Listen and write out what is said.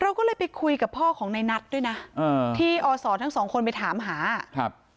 เราก็เลยไปคุยกับพ่อของในนัทด้วยนะอ่าที่อศทั้งสองคนไปถามหาครับ